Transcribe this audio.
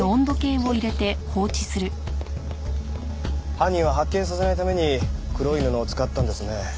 犯人は発見させないために黒い布を使ったんですね。